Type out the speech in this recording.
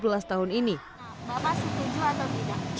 bapak setuju atau tidak